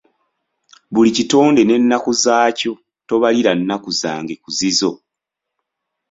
Buli kitonde n’ennaku zaakyo, tobalira nnaku zange ku zizo.